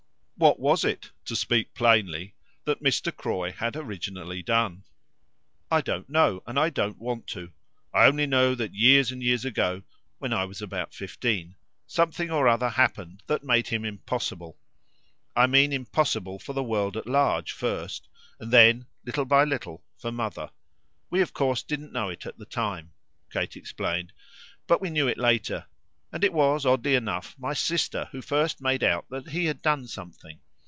What was it, to speak plainly, that Mr. Croy had originally done? "I don't know and I don't want to. I only know that years and years ago when I was about fifteen something or other happened that made him impossible. I mean impossible for the world at large first, and then, little by little, for mother. We of course didn't know it at the time," Kate explained, "but we knew it later; and it was, oddly enough, my sister who first made out that he had done something.